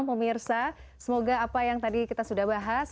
pemirsa semoga apa yang tadi kita sudah bahas